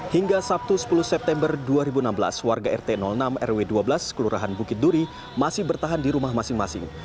hingga sabtu sepuluh september dua ribu enam belas warga rt enam rw dua belas kelurahan bukit duri masih bertahan di rumah masing masing